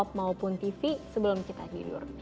op maupun tv sebelum kita tidur